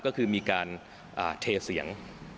ก็คือมีการเทเสียง